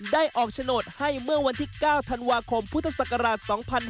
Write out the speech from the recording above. ได้ออกโฉนดให้เมื่อวันที่๙ธันวาคมพุทธศักราช๒๕๕๙